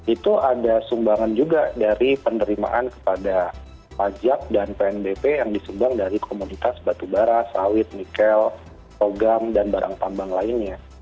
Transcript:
itu ada sumbangan juga dari penerimaan kepada pajak dan pnbp yang disumbang dari komunitas batu bara sawit nikel togang dan barang tambang lainnya